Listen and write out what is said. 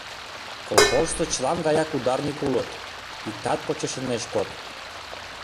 Колхозышто чылан гаяк ударник улыт, иктат почеш ынеж код.